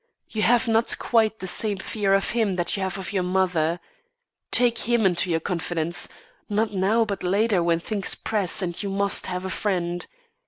You have not quite the same fear of him that you have of your mother. Take him into your confidence not now but later when things press and you must have a friend.